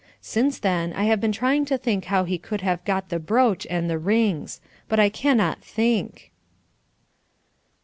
Since then I have been trying to think how he could have got the brooch and the rings. But I cannot think.